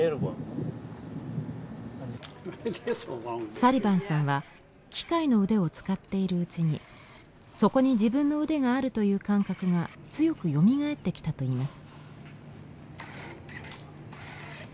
サリバンさんは機械の腕を使っているうちにそこに自分の腕があるという感覚が強くよみがえってきたといいます。